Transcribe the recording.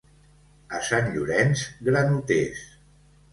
A Sant Llorenç, granoters.